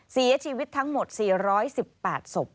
เสียชีวิตทั้งหมด๔๑๘ศพ